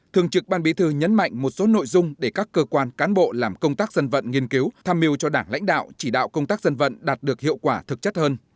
thường trực ban bí thư nhấn mạnh một số nội dung để các cơ quan cán bộ làm công tác dân vận nghiên cứu tham mưu cho đảng lãnh đạo chỉ đạo công tác dân vận đạt được hiệu quả thực chất hơn